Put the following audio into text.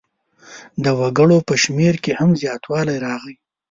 د وګړو په شمېر کې هم زیاتوالی راغی.